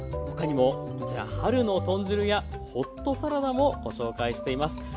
他にもこちら春の豚汁やホットサラダもご紹介しています。